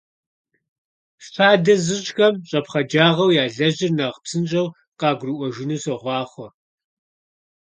Фадэ зыщӀхэм щӀэпхъаджагъэу ялэжьыр нэхъ псынщӀэу къагурыӀуэжыну сохъуахъуэ!